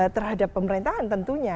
terhadap pemerintahan tentunya